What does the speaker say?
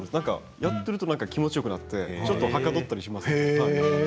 やってるとき気持ちよくなってちょっとはかどったりします。